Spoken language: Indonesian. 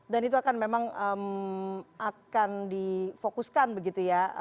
dan itu akan memang akan difokuskan begitu ya